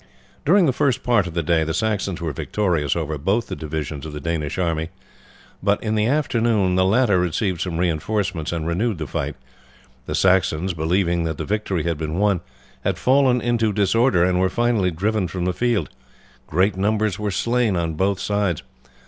During the first part of the day the Saxons were victorious over both the divisions of the Danish army, but in the afternoon the latter received some reinforcements and renewed the fight. The Saxons, believing that the victory had been won, had fallen into disorder and were finally driven from the field. Great numbers were slain on both sides.